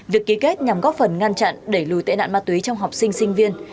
việc ký kết nhằm góp phần ngăn chặn đẩy lùi tệ nạn ma túy trong học sinh sinh viên